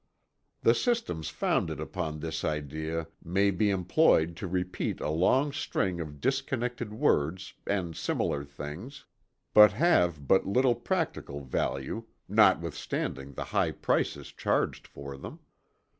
The systems founded upon this idea may be employed to repeat a long string of disconnected words, and similar things, but have but little practical value, notwithstanding the high prices charged for them.